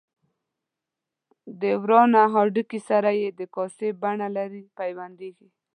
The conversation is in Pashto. د ورانه د هډوکي سره چې د کاسې بڼه لري پیوندېږي.